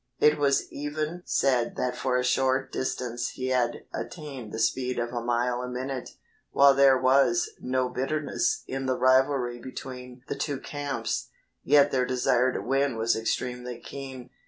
It was even said that for a short distance he had attained the speed of a mile a minute. While there was no bitterness in the rivalry between the two camps, yet their desire to win was extremely keen.